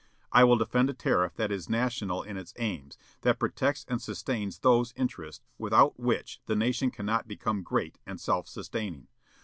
I will defend a tariff that is national in its aims, that protects and sustains those interests without which the nation cannot become great and self sustaining....